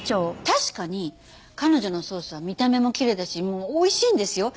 確かに彼女のソースは見た目もきれいだし美味しいんですよ。